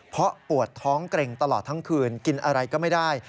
เพราะปวดท้องเกร็งตลอดทั้งคืนกินอะไรก็ไม่ได้